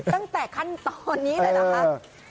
ตั้งแต่ขั้นตอนนี้เลยนะฮะ